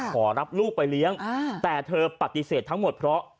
ขอรับลูกไปเลี้ยงแต่เธอปฏิเสธทั้งหมดเพราะ